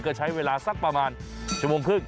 ก็ใช้เวลาสักประมาณชั่วโมงครึ่ง